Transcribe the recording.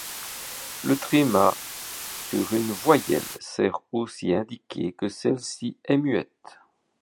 Le tréma sur une voyelle sert aussi à indiquer que celle-ci est muette.